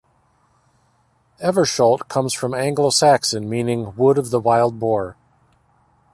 "Eversholt" comes from Anglo-Saxon meaning "wood of the wild boar".